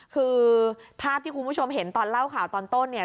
คือภาพที่คุณผู้ชมเห็นตอนเล่าข่าวตอนต้นเนี่ย